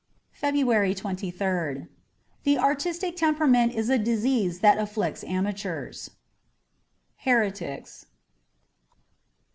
'' 58 FEBRUARY 23rd THE artistic temperament is a disease that afflicts amateurs. 'Heretics.''